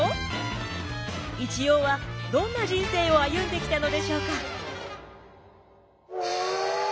一葉はどんな人生を歩んできたのでしょうか？